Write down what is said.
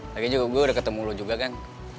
lagi juga udah ketemu lu juga kan